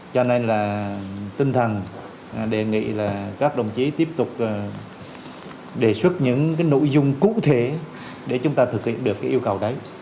cho nên là tinh thần đề nghị các đồng chí tiếp tục đề xuất những nội dung cụ thể để chúng ta thực hiện được yêu cầu đấy